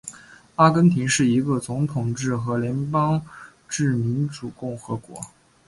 阿根廷是一个总统制和联邦制民主共和国。